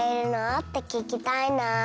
って聞きたいな。